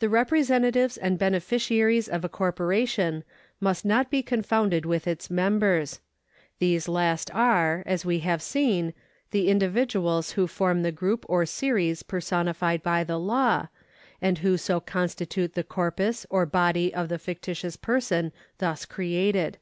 The representatives and beneficiaries of a corporation must not be confounded with its members. These last are, as we have seen, the individuals who form the group or series parsonified by the law, and who so constitute the corpus or body of the fictitious person thus created.